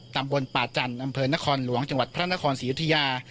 ตำบลป่าจันทร์อำเภอนครหลวงจังหวัดพระนครศรียุธยา